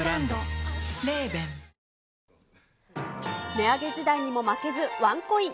値上げ時代にも負けず、ワンコイン。